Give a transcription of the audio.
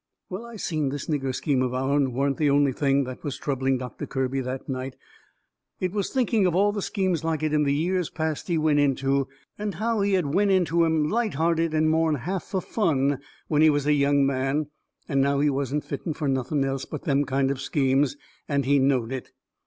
Well, I seen this nigger scheme of our'n wasn't the only thing that was troubling Doctor Kirby that night. It was thinking of all the schemes like it in the years past he had went into, and how he had went into 'em light hearted and more'n half fur fun when he was a young man, and now he wasn't fitten fur nothing else but them kind of schemes, and he knowed it.